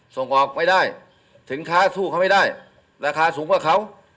ส่งออกไม่ได้สินค้าสู้เขาไม่ได้ราคาสูงกว่าเขา